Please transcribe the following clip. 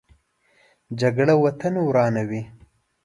جګړه وطن ورانوي